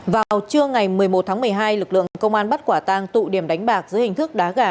vào trưa ngày một mươi một tháng một mươi hai lực lượng công an bắt quả tang tụ điểm đánh bạc dưới hình thức đá gà